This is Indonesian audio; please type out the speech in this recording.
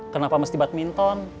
kenapa mesti badminton